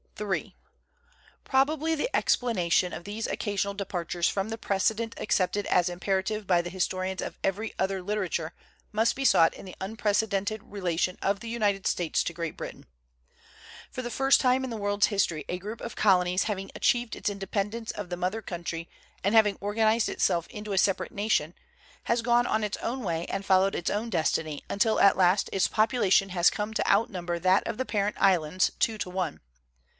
Ill PROBABLY the explanation of these occasional departures from the precedent accepted as im perative by the historians of every other litera ture must be sought in the unprecedented rela tion of the United States to Great Britain. For the first time in the world's history a group of colonies having achieved its independence of the mother country and having organized itself into a separate nation, has gone on its own way and followed its own destiny until at last its population has come to outnumber that of the parent islands two to one.